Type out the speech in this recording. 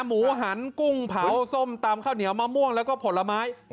หมูหันกุ้งเผาส้มตำข้าวเหนียวมะม่วงแล้วก็ผลไม้